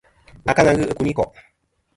Akaŋa ghɨ i kuyniko'.